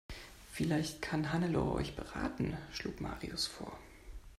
Vielleicht kann Hannelore euch beraten, schlug Marius vor.